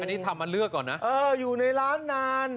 อันนี้ทำมาเลือกก่อนนะอยู่ในร้านนาน